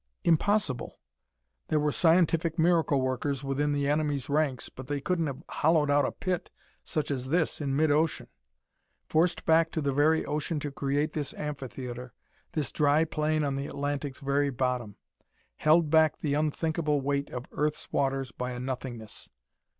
Impossible! There were scientific miracle workers in the enemy's ranks, but they couldn't have hollowed out a pit such as this in mid ocean; forced back the very ocean to create this amphitheatre, this dry plain on the Atlantic's very bottom: held back the unthinkable weight of Earth's waters by a nothingness.